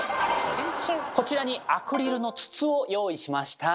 こちらにアクリルの筒を用意しました。